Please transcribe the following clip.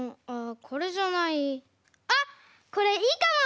あっこれいいかも！